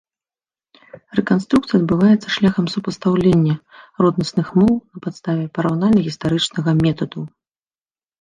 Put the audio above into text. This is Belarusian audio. Рэканструкцыя адбываецца шляхам супастаўлення роднасных моў на падставе параўнальна-гістарычнага метаду.